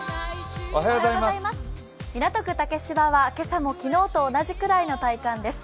港区竹芝は今朝も昨日と同じぐらいの体感です。